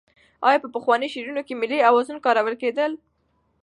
آیا په پخواني شعر کې ملي اوزان کارول کېدل؟